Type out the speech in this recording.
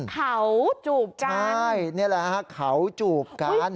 เขาจูบกันใช่นี่แหละฮะเขาจูบกัน